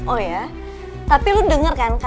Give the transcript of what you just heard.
dia tidak jauh ke mana mana